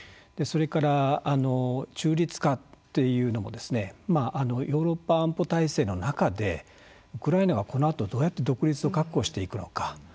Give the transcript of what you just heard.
それから中立化というのもヨーロッパ安保体制の中でウクライナはこのあとどうやって独立を確保していくのか